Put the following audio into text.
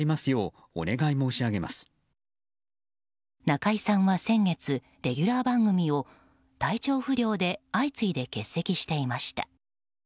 中居さんは先月レギュラー番組を体調不良で相次いで欠席していました。